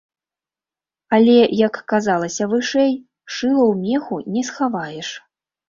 Але, як казалася вышэй, шыла ў меху не схаваеш.